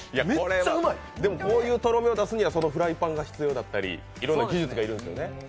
こういうとろみを出すにはそのフライパンが必要だったり、いろんな技術が要るんですよね？